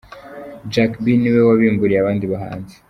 Jack B niwe wabimburiye abandi bahanzi:.